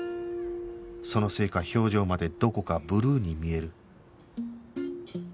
そのせいか表情までどこかブルーに見える